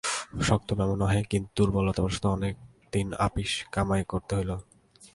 শক্ত ব্যামো নহে, কিন্তু দুর্বলতাবশত অনেক দিন আপিস কামাই করিতে হইল।